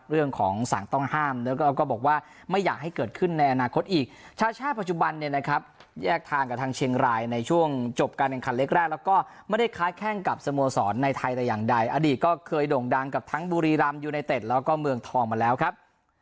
เรื่องของสั่งต้องห้ามแล้วก็บอกว่าไม่อยากให้เกิดขึ้นในอนาคตอีกชาติปัจจุบันเนี่ยนะครับแยกทางกับทางเชียงรายในช่วงจบการแข่งขันเล็กแรกแล้วก็ไม่ได้ค้าแข้งกับสโมสรในไทยแต่อย่างใดอดีตก็เคยโด่งดังกับทั้งบุรีรำยูไนเต็ดแล้วก็เมืองทองมาแล้วครับ